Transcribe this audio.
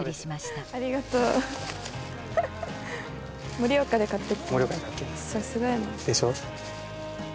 盛岡でさすがやなでしょ？